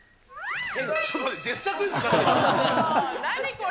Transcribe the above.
これ。